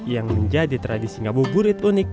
yang menjadi tradisi ngabuburit unik